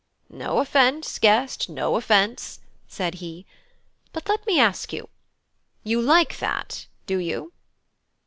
"No offence, guest no offence," said he; "but let me ask you; you like that, do you?"